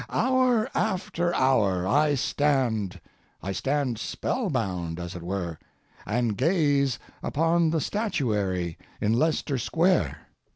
Hour after hour I stand—I stand spellbound, as it were—and gaze upon the statuary in Leicester Square.